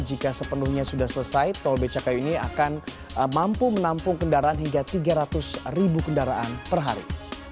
jika sepenuhnya sudah selesai tol becakayu ini akan mampu menampung kendaraan hingga tiga ratus ribu kendaraan per hari